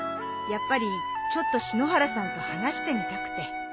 やっぱりちょっと篠原さんと話してみたくて。